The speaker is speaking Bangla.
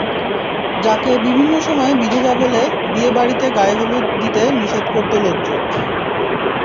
যাকে বিভিন্ন সময় বিধবা বলে, বিয়ে বাড়িতে গায়েহলুদ দিতে নিষেধ করত লোকজন।